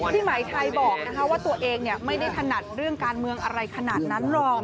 พี่หมายไทยบอกว่าตัวเองไม่ได้ถนัดเรื่องการเมืองอะไรขนาดนั้นหรอก